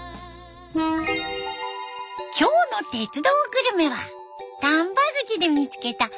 今日の「鉄道グルメ」は丹波口で見つけた花びら餅。